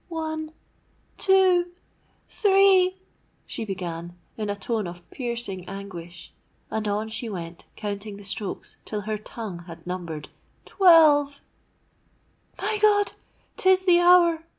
'One—two—three,' she began in a tone of piercing anguish; and on she went counting the strokes till her tongue had numbered twelve! 'My God! 'tis the hour!'